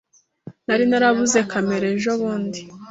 Nari narabuze kamera ejobundi.